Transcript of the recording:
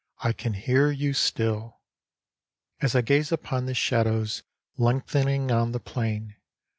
I can hear you still ! As I gaze upon the shadows Lengthening on the plain.